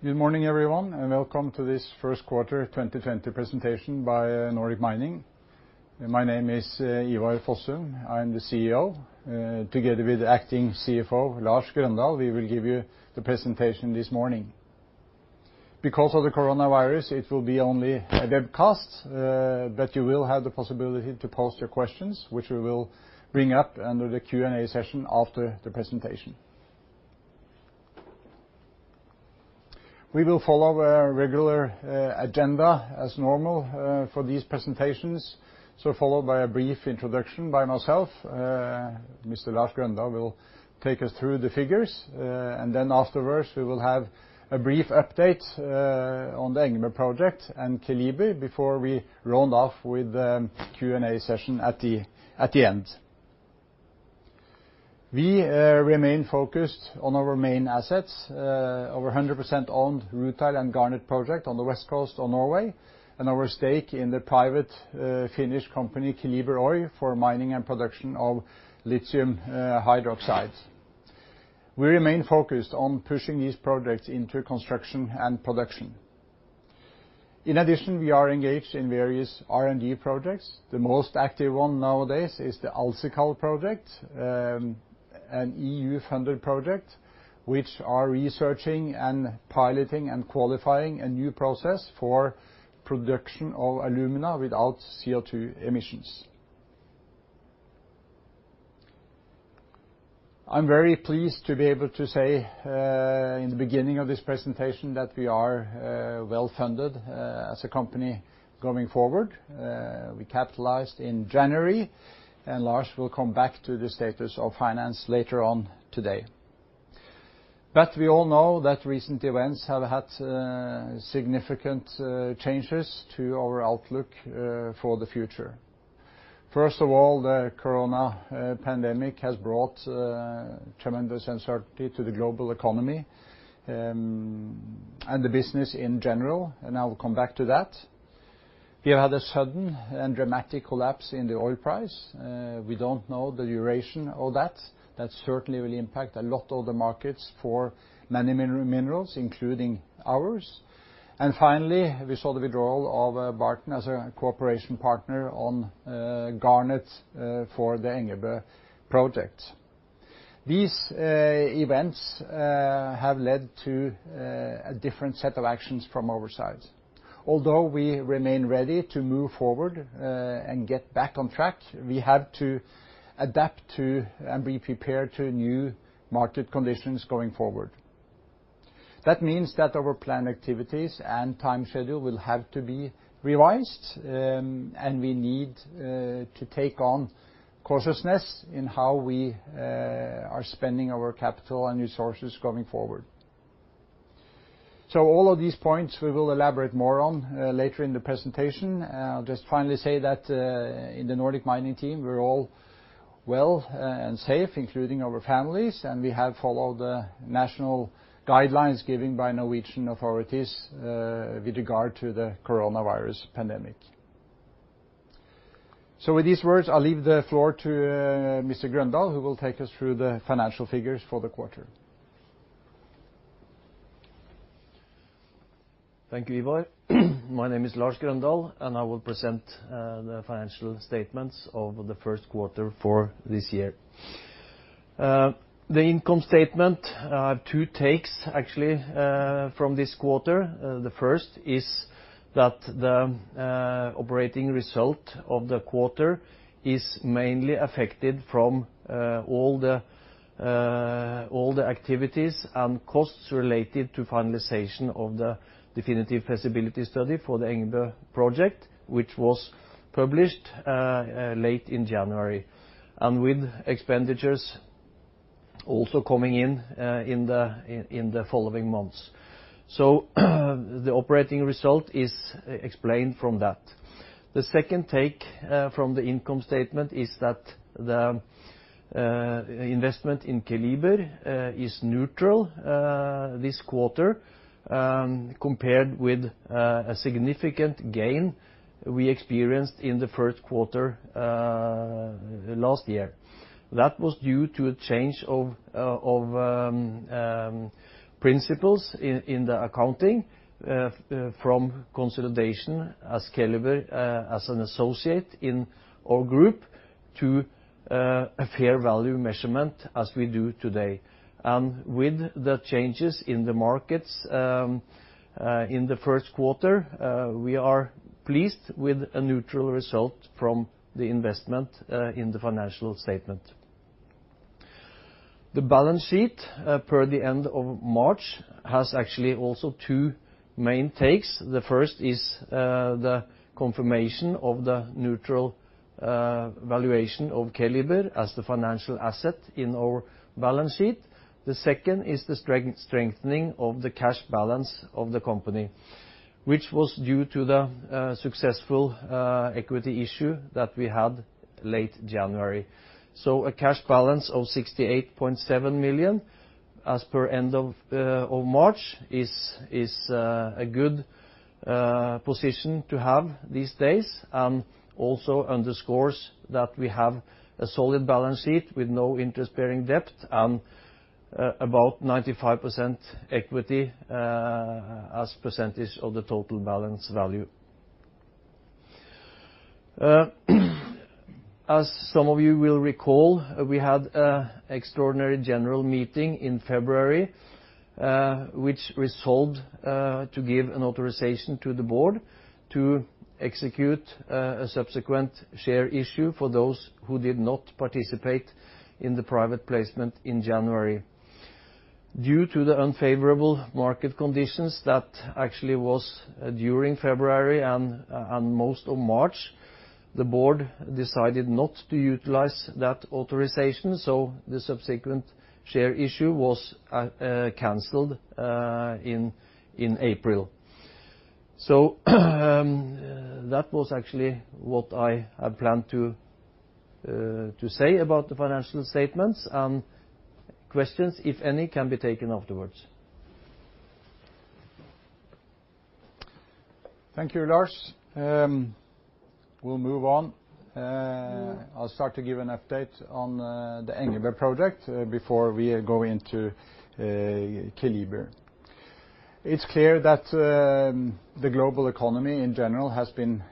Good morning, everyone, and welcome to this first quarter 2020 presentation by Nordic Mining. My name is Ivar Fossum. I'm the CEO. Together with the Acting CFO, Lars Grøndahl, we will give you the presentation this morning. Because of the coronavirus, it will be only a webcast, but you will have the possibility to post your questions, which we will bring up under the Q&A session after the presentation. We will follow a regular agenda as normal for these presentations, followed by a brief introduction by myself. Mr. Lars Grøndahl will take us through the figures, and then afterwards we will have a brief update on the Engebø project and Keliber before we round off with the Q&A session at the end. We remain focused on our main assets: our 100% owned rutile and garnet project on the west coast of Norway, and our stake in the private Finnish company Keliber Oy for mining and production of lithium hydroxide. We remain focused on pushing these projects into construction and production. In addition, we are engaged in various R&D projects. The most active one nowadays is the AlSiCal project, an EU-funded project, which is researching, piloting, and qualifying a new process for production of alumina without CO2 emissions. I'm very pleased to be able to say in the beginning of this presentation that we are well funded as a company going forward. We capitalized in January, and Lars will come back to the status of finance later on today. We all know that recent events have had significant changes to our outlook for the future. First of all, the corona pandemic has brought tremendous uncertainty to the global economy and the business in general, and I'll come back to that. We have had a sudden and dramatic collapse in the oil price. We don't know the duration of that. That certainly will impact a lot of the markets for many minerals, including ours. Finally, we saw the withdrawal of Barton as a cooperation partner on garnet for the Engebø project. These events have led to a different set of actions from our side. Although we remain ready to move forward and get back on track, we have to adapt to and be prepared for new market conditions going forward. That means that our planned activities and time schedule will have to be revised, and we need to take on cautiousness in how we are spending our capital and resources going forward. All of these points we will elaborate more on later in the presentation. I'll just finally say that in the Nordic Mining team we're all well and safe, including our families, and we have followed the national guidelines given by Norwegian authorities with regard to the coronavirus pandemic. With these words, I'll leave the floor to Mr. Grøndahl, who will take us through the financial figures for the quarter. Thank you, Ivar. My name is Lars Grøndahl, and I will present the financial statements of the first quarter for this year. The income statement has two takes, actually, from this quarter. The first is that the operating result of the quarter is mainly affected from all the activities and costs related to finalization of the definitive feasibility study for the Engebø project, which was published late in January, and with expenditures also coming in in the following months. The operating result is explained from that. The second take from the income statement is that the investment in Keliber is neutral this quarter, compared with a significant gain we experienced in the first quarter last year. That was due to a change of principles in the accounting from consolidation as Keliber as an associate in our group to a fair value measurement as we do today. With the changes in the markets in the first quarter, we are pleased with a neutral result from the investment in the financial statement. The balance sheet per the end of March has actually also two main takes. The first is the confirmation of the neutral valuation of Keliber as the financial asset in our balance sheet. The second is the strengthening of the cash balance of the company, which was due to the successful equity issue that we had late January. A cash balance of 68.7 million as per end of March is a good position to have these days and also underscores that we have a solid balance sheet with no interest-bearing debt and about 95% equity as percentage of the total balance value. As some of you will recall, we had an extraordinary general meeting in February, which resolved to give an authorization to the board to execute a subsequent share issue for those who did not participate in the private placement in January. Due to the unfavorable market conditions that actually were during February and most of March, the board decided not to utilize that authorization, so the subsequent share issue was canceled in April. That was actually what I had planned to say about the financial statements, and questions, if any, can be taken afterwards. Thank you, Lars. We'll move on. I'll start to give an update on the Engebø project before we go into Keliber. It's clear that the global economy in general has been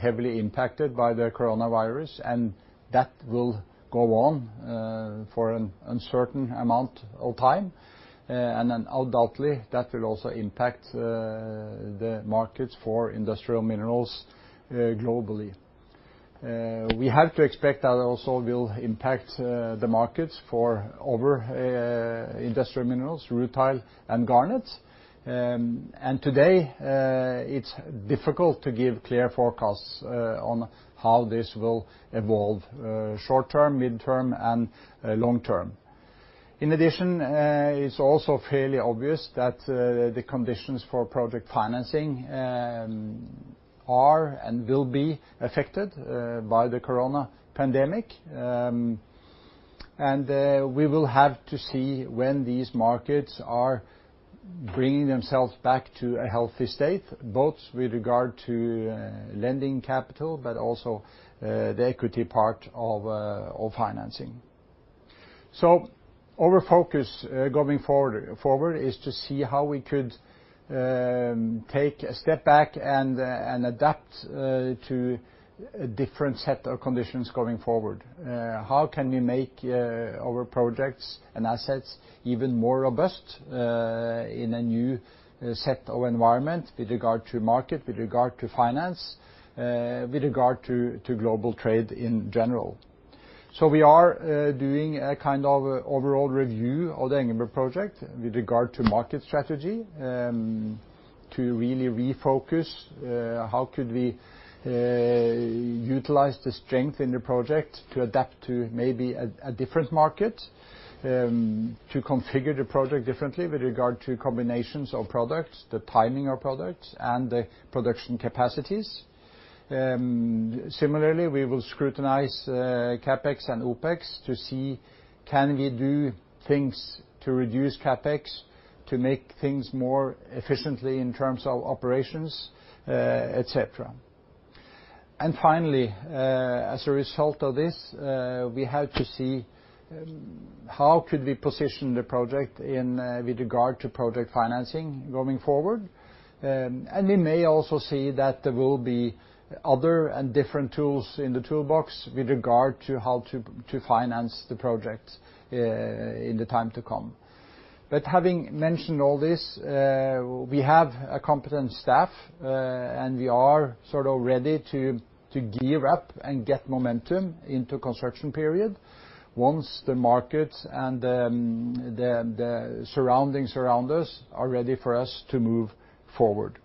heavily impacted by the coronavirus, and that will go on for an uncertain amount of time, and undoubtedly that will also impact the markets for industrial minerals globally. We have to expect that also will impact the markets for other industrial minerals, rutile and garnet. Today it's difficult to give clear forecasts on how this will evolve short term, midterm, and long term. In addition, it's also fairly obvious that the conditions for project financing are and will be affected by the corona pandemic, and we will have to see when these markets are bringing themselves back to a healthy state, both with regard to lending capital, but also the equity part of financing. Our focus going forward is to see how we could take a step back and adapt to a different set of conditions going forward. How can we make our projects and assets even more robust in a new set of environment with regard to market, with regard to finance, with regard to global trade in general? We are doing a kind of overall review of the Engebø project with regard to market strategy to really refocus how could we utilize the strength in the project to adapt to maybe a different market, to configure the project differently with regard to combinations of products, the timing of products, and the production capacities. Similarly, we will scrutinize CapEx and OpEx to see can we do things to reduce CapEx, to make things more efficiently in terms of operations, etc. Finally, as a result of this, we have to see how we could position the project with regard to project financing going forward, and we may also see that there will be other and different tools in the toolbox with regard to how to finance the project in the time to come. Having mentioned all this, we have a competent staff, and we are sort of ready to gear up and get momentum into the construction period once the markets and the surroundings around us are ready for us to move forward.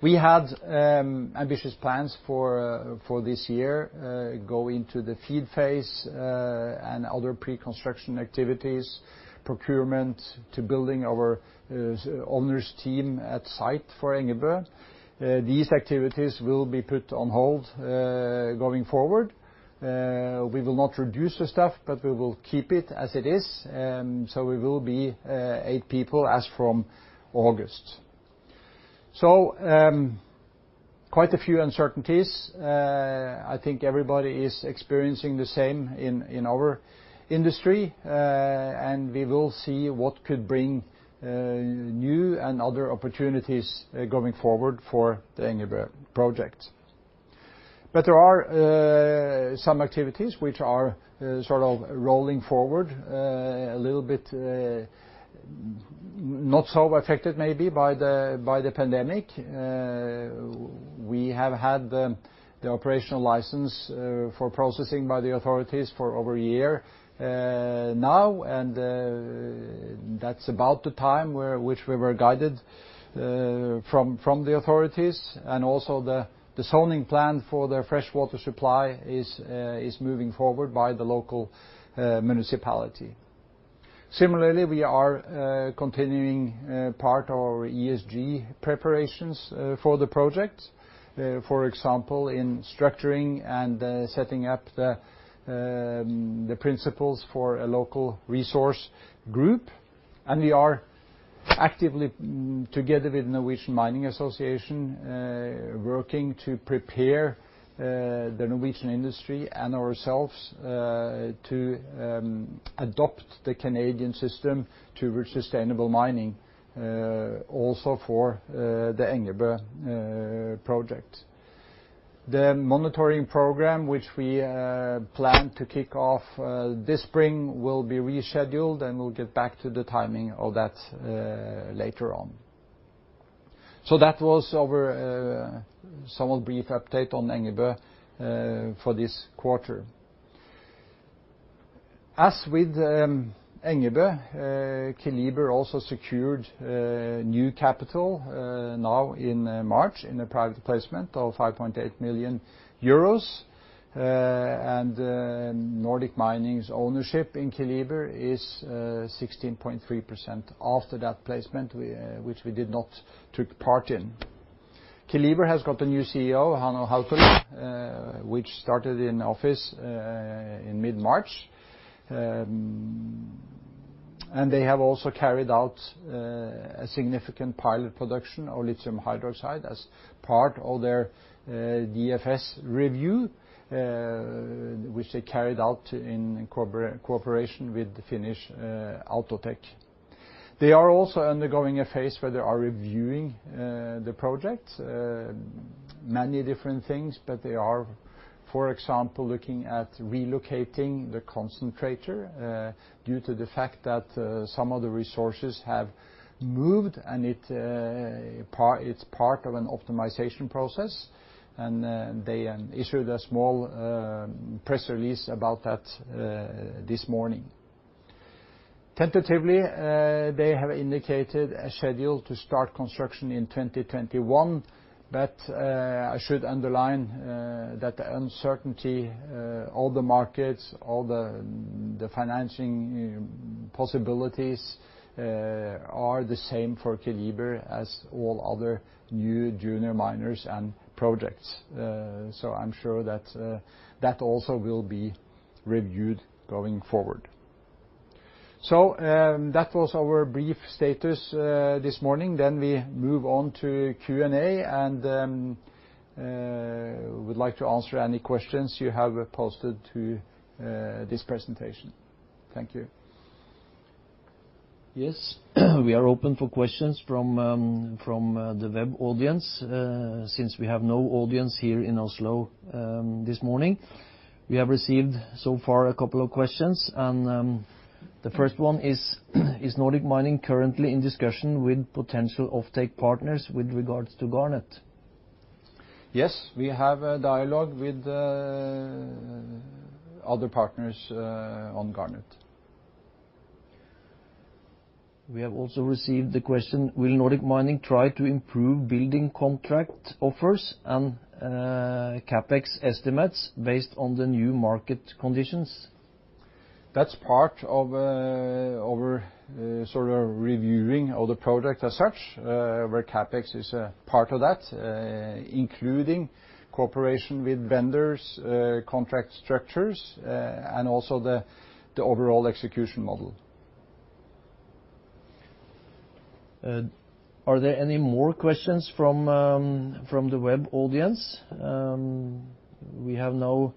We had ambitious plans for this year going to the feed phase and other pre-construction activities, procurement to building our owners' team at site for Engebø. These activities will be put on hold going forward. We will not reduce the staff, but we will keep it as it is, so we will be eight people as from August. Quite a few uncertainties. I think everybody is experiencing the same in our industry, and we will see what could bring new and other opportunities going forward for the Engebø project. There are some activities which are sort of rolling forward a little bit, not so affected maybe by the pandemic. We have had the operational license for processing by the authorities for over a year now, and that's about the time which we were guided from the authorities, and also the zoning plan for the freshwater supply is moving forward by the local municipality. Similarly, we are continuing part of our ESG preparations for the project, for example, in structuring and setting up the principles for a local resource group, and we are actively together with the Norwegian Mining Association working to prepare the Norwegian industry and ourselves to adopt the Canadian system to sustainable mining also for the Engebø project. The monitoring program which we plan to kick off this spring will be rescheduled, and we'll get back to the timing of that later on. That was our somewhat brief update on Engebø for this quarter. As with Engebø, Keliber also secured new capital now in March in a private placement of 5.8 million euros, and Nordic Mining's ownership in Keliber is 16.3% after that placement which we did not take part in. Keliber has got a new CEO, Hannah Haukele, which started in office in mid-March, and they have also carried out a significant pilot production of lithium hydroxide as part of their DFS review, which they carried out in cooperation with the Finnish Autotek. They are also undergoing a phase where they are reviewing the project, many different things, but they are, for example, looking at relocating the concentrator due to the fact that some of the resources have moved, and it's part of an optimization process, and they issued a small press release about that this morning. Tentatively, they have indicated a schedule to start construction in 2021, but I should underline that the uncertainty, all the markets, all the financing possibilities are the same for Keliber as all other new junior miners and projects, so I'm sure that that also will be reviewed going forward. That was our brief status this morning. We move on to Q&A, and we'd like to answer any questions you have posted to this presentation. Thank you. Yes, we are open for questions from the web audience since we have no audience here in Oslo this morning. We have received so far a couple of questions, and the first one is: Is Nordic Mining currently in discussion with potential offtake partners with regards to garnet? Yes, we have a dialogue with other partners on garnet. We have also received the question: Will Nordic Mining try to improve building contract offers and CapEx estimates based on the new market conditions? That's part of our sort of reviewing of the project as such, where CapEx is a part of that, including cooperation with vendors, contract structures, and also the overall execution model. Are there any more questions from the web audience? We have now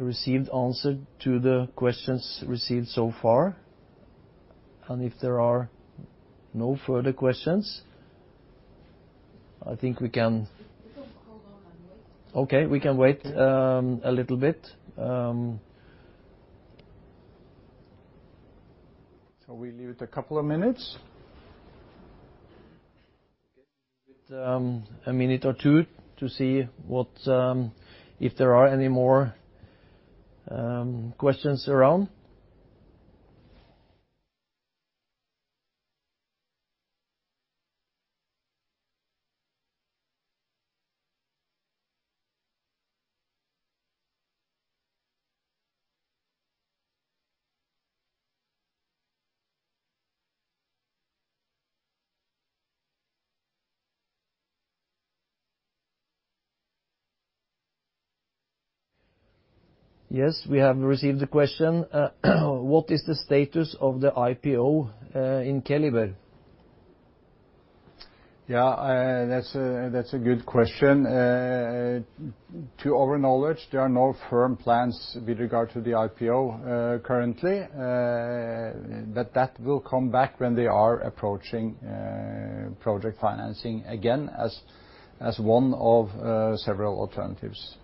received answers to the questions received so far, and if there are no further questions, I think we can... We can hold on and wait. Okay, we can wait a little bit. We'll leave it a couple of minutes. A minute or two to see if there are any more questions around. Yes, we have received the question: What is the status of the IPO in Keliber? Yeah, that's a good question. To our knowledge, there are no firm plans with regard to the IPO currently, but that will come back when they are approaching project financing again as one of several alternatives.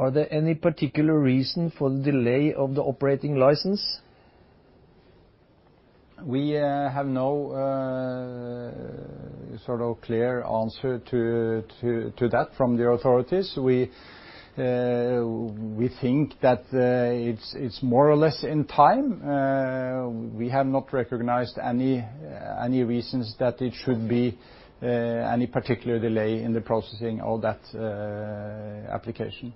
Are there any particular reason for the delay of the operating license? We have no sort of clear answer to that from the authorities. We think that it's more or less in time. We have not recognized any reasons that it should be any particular delay in the processing of that application.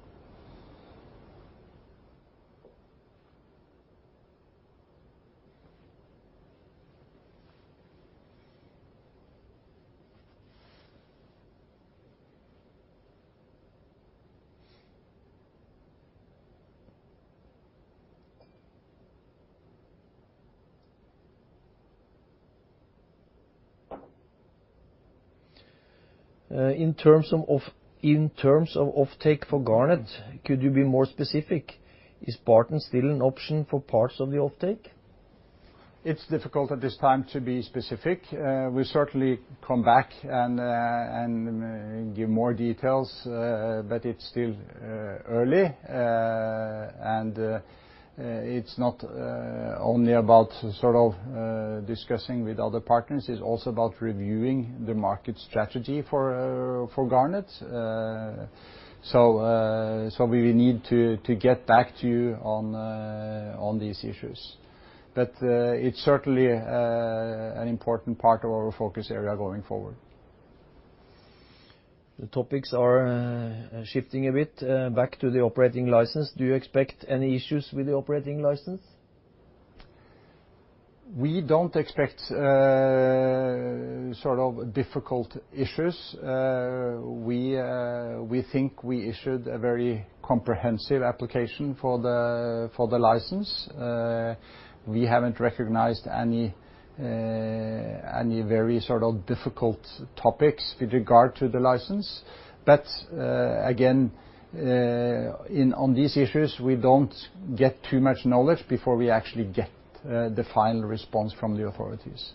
In terms of offtake for garnet, could you be more specific? Is Barton still an option for parts of the offtake? It's difficult at this time to be specific. We'll certainly come back and give more details, but it's still early, and it's not only about sort of discussing with other partners, it's also about reviewing the market strategy for garnet. We need to get back to you on these issues, but it's certainly an important part of our focus area going forward. The topics are shifting a bit back to the operating license. Do you expect any issues with the operating license? We don't expect sort of difficult issues. We think we issued a very comprehensive application for the license. We haven't recognized any very sort of difficult topics with regard to the license, but again, on these issues, we don't get too much knowledge before we actually get the final response from the authorities.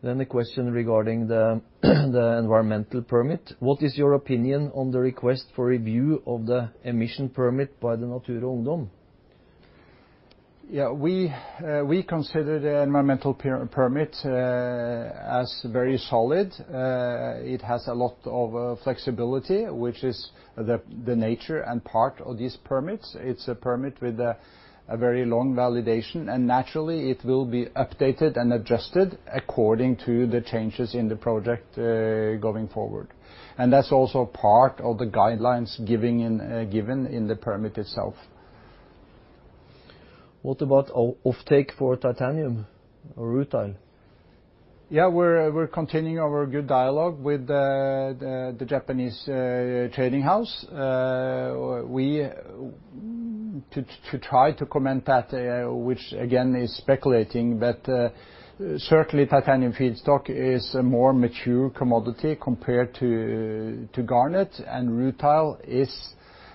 The question regarding the environmental permit: What is your opinion on the request for review of the emission permit by the Natur og Ungdom? Yeah, we consider the environmental permit as very solid. It has a lot of flexibility, which is the nature and part of these permits. It's a permit with a very long validation, and naturally, it will be updated and adjusted according to the changes in the project going forward, and that's also part of the guidelines given in the permit itself. What about offtake for titanium or rutile? Yeah, we're continuing our good dialogue with the Japanese trading house to try to comment that, which again is speculating, but certainly titanium feedstock is a more mature commodity compared to garnet, and rutile is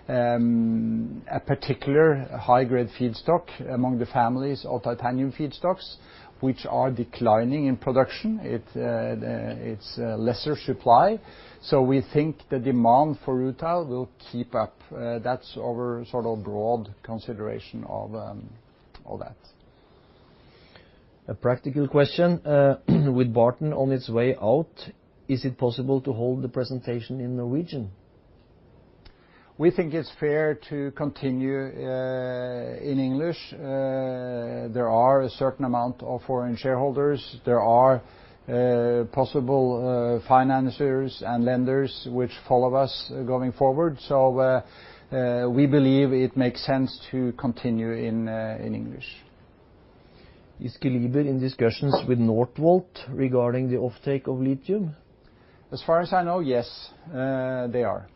a particular high-grade feedstock among the families of titanium feedstocks, which are declining in production. It's lesser supply, so we think the demand for rutile will keep up. That's our sort of broad consideration of all that. A practical question: With Barton on its way out, is it possible to hold the presentation in Norwegian? We think it's fair to continue in English. There are a certain amount of foreign shareholders. There are possible financiers and lenders which follow us going forward, so we believe it makes sense to continue in English. Is Keliber in discussions with Nordvolt regarding the offtake of lithium? As far as I know, yes, they are.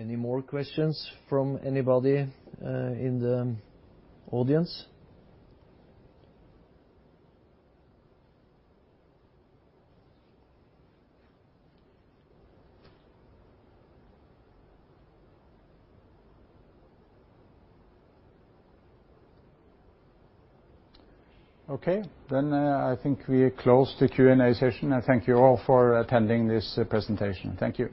Any more questions from anybody in the audience? Okay, then I think we close the Q&A session. I thank you all for attending this presentation. Thank you.